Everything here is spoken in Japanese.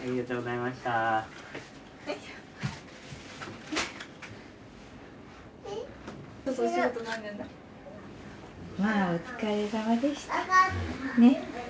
まあお疲れさまでした。